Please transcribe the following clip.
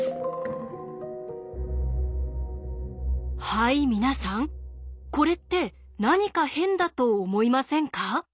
はい皆さんこれって何か変だと思いませんか？